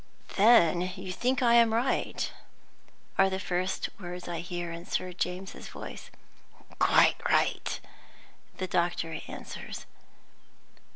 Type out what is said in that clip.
"Then you think I am right?" are the first words I hear, in Sir James's voice. "Quite right," the doctor answers.